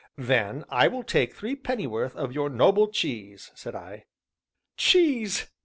"Then I will take three pennyworth of your noble cheese," said I. "Cheese!"